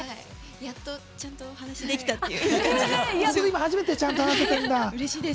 やっと、ちゃんとお話できたっていう。